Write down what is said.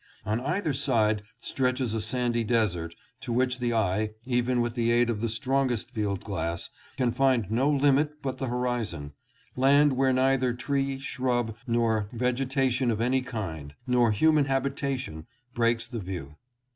On either side stretches a sandy desert, to which the eye, even with the aid of the strongest field glass, can find no limit but the horizon ; land where neither tree, shrub noi vegetation of any kind, nor human habitation breaks the view.